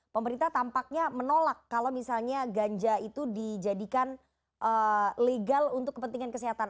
pemerintah tampaknya menolak kalau misalnya ganja itu dijadikan legal untuk kepentingan kesehatan